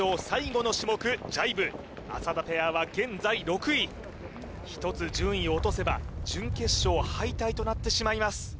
最後の種目ジャイブ浅田ペアは現在６位１つ順位を落とせば準決勝敗退となってしまいます